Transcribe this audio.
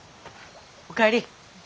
お帰り。